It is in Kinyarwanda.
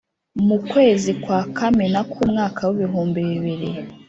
mu kwezi kwa kamena k'umwaka w’ibihumbi bibiri